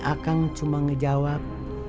akan cuma ngejawab